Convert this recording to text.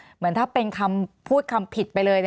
เหมือนถ้าเป็นคำพูดคำผิดไปเลย